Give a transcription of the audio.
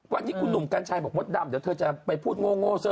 วันนี้คุณหนุ่มกัญชัยบอกมดดำเดี๋ยวเธอจะไปพูดโง่ซะ